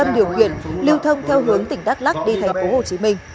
điều khiển lưu thông theo hướng tỉnh đắk lắc đi tp hcm